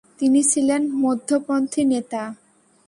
তিনি ছিলেন মধ্যপন্থী নেতা।